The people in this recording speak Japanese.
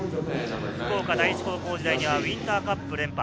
福岡第一高校時代にはウインターカップ連覇。